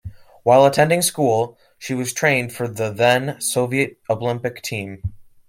While attending school she was trained for the then Soviet Olympic team.